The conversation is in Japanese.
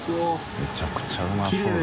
めちゃくちゃうまそうだ。